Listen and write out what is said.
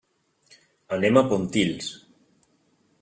Anem a Pontils.